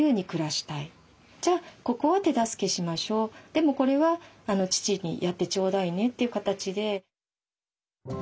じゃあここは手助けしましょうでもこれは父にやってちょうだいねという形で。